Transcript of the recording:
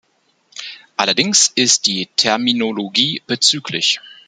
Allerdings ist die Terminologie bzgl.